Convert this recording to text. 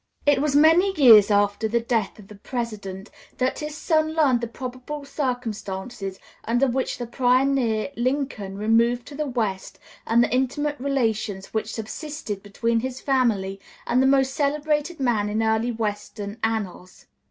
] It was many years after the death of the President that his son learned the probable circumstances under which the pioneer Lincoln removed to the West, and the intimate relations which subsisted between his family and the most celebrated man in early Western annals.